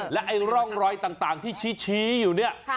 และไอ้ร่องรอยต่างที่ชี้อยู่เนี่ย